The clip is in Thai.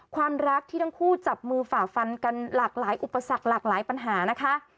ความรักที่ทั้งคู่จับมือฝ่าฟันกันหลากหลายอุปสรรคหลากหลายปัญหานะคะ